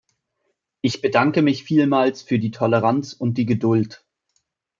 Ich bedanke mich vielmals für die Toleranz und die Geduld!